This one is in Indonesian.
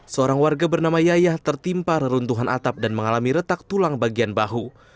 seorang warga bernama yayah tertimpa reruntuhan atap dan mengalami retak tulang bagian bahu